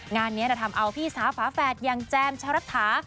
งานนี้จะทำเอาพี่สาวฝาแฝดอย่างแจมชะรัฐา